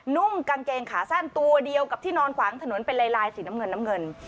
นุ่งกางเกงขาสั้นตัวเดียวกับที่นอนขวางถนนเป็นลายลายสีน้ำเงินน้ำเงิน